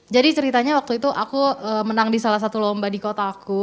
jadi ceritanya waktu itu aku menang di salah satu lomba di kotaku